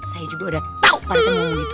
saya juga udah tau pak rete mau gitu